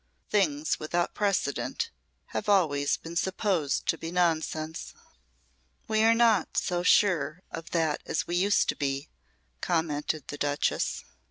Things without precedent have always been supposed to be nonsense." "We are not so sure of that as we used to be," commented the Duchess.